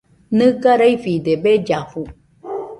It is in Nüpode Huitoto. Nɨga raifide bellafu.